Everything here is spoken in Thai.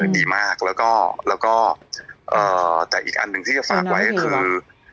ดีมากแล้วก็แต่อีกอันหนึ่งที่จะฝากไว้ก็คือ